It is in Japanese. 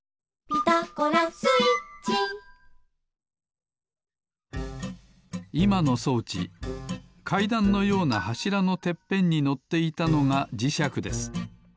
「ピタゴラスイッチ」いまの装置かいだんのようなはしらのてっぺんにのっていたのがじしゃくです。